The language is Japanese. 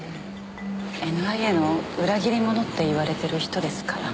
ＮＩＡの裏切り者って言われてる人ですから。